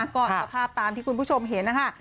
ก็สภาพตามที่คุณผู้ชมเห็นนะคะ